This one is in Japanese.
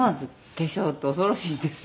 化粧って恐ろしいんですよ。